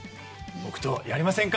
僕とやりませんか？